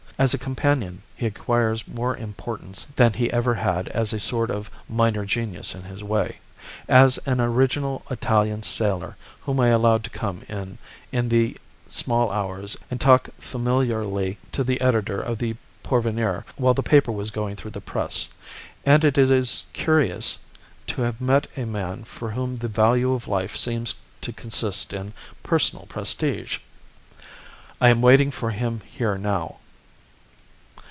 As a companion he acquires more importance than he ever had as a sort of minor genius in his way as an original Italian sailor whom I allowed to come in in the small hours and talk familiarly to the editor of the Porvenir while the paper was going through the press. And it is curious to have met a man for whom the value of life seems to consist in personal prestige. "I am waiting for him here now.